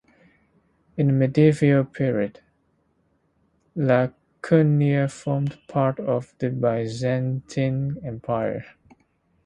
In the medieval period, Laconia formed part of the Byzantine Empire.